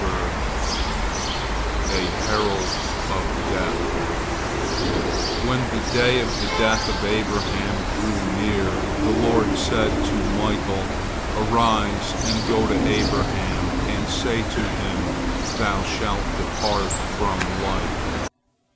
A HERALD OF DEATH When the day of the death of Abraham drew near, the Lord said to Michael, "Arise and go to Abraham and say to him, Thou shalt depart from life!"